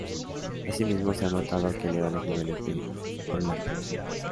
Así mismo se ha notado que eleva los niveles de prolactina.